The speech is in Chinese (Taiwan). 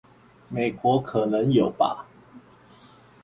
美國可能有吧